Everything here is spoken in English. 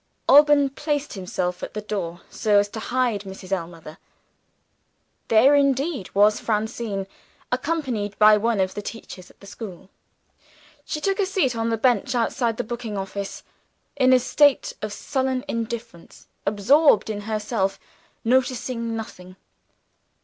Alban placed himself at the door, so as to hide Mrs. Ellmother. There indeed was Francine, accompanied by one of the teachers at the school. She took a seat on the bench outside the booking office, in a state of sullen indifference absorbed in herself noticing nothing.